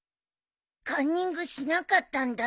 カンニングしなかったんだなブー。